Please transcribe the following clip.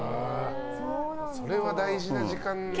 それは大事な時間ですね。